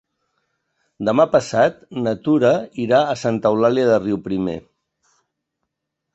Demà passat na Tura irà a Santa Eulàlia de Riuprimer.